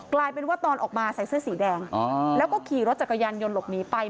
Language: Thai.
กลายเป็นว่าตอนออกมาใส่เสื้อสีแดงแล้วก็ขี่รถจักรยานยนต์หลบหนีไป